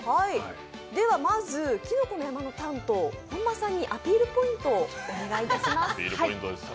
まず、きのこの山担当、本間さんにアピールポイントをお願いします。